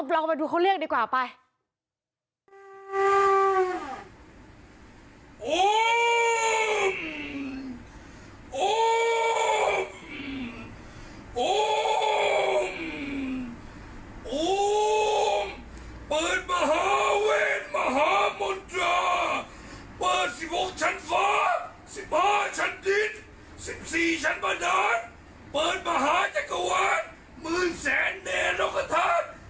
อย่างนี้เลยเขาบอกเอาบล็อกมาดูเขาเรียกดีกว่าไป